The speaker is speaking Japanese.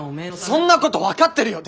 そんなこと分かってるよ！